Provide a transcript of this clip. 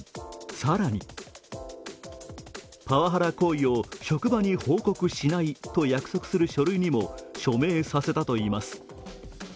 更に、パワハラ行為を職場に報告しないと約束する書類にも署名させたといいます。